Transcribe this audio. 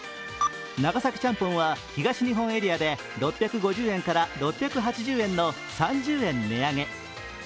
長崎ちゃんぽんは東日本エリアで６５０円から６８０円の３０円値上げ。